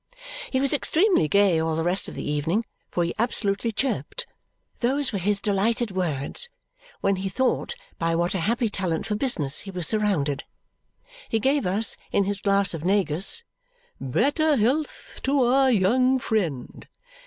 He was extremely gay all the rest of the evening, for he absolutely chirped those were his delighted words when he thought by what a happy talent for business he was surrounded. He gave us, in his glass of negus, "Better health to our young friend!"